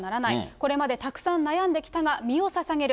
これまでたくさん悩んできたが、身をささげる。